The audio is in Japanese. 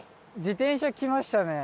自転車来ましたね。